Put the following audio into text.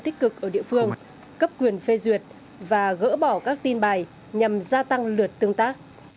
quản trị viên tích cực ở địa phương cấp quyền phê duyệt và gỡ bỏ các tin bài nhằm gia tăng lượt tương tác